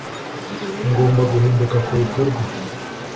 ngomba guhinduka kubikorwa